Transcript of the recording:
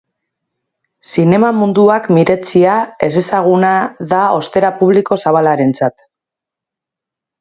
Zinema munduak miretsia, ezezaguna da ostera publiko zabalarentzat.